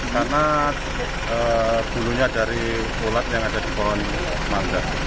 karena bulunya dari ulat yang ada di pohon mangga